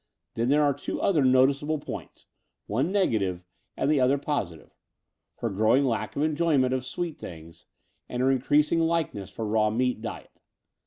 Then there are two other noticeable points — one negative and the other positive — ^her growing lack of enjoyment of sweet things and her increasing liking for raw meat diet.